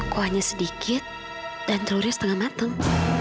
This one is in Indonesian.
kuahnya sedikit dan telurnya setengah mateng